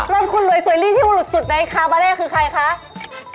นั่นคุณรวยสวยรี่ที่หลุดสุดในคาบาเล่คือใครคะ